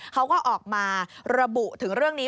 เขาก็ออกมาระบุถึงเรื่องนี้